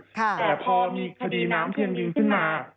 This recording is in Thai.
แต่พอมีคดีน้ำเทียงดินขึ้นมา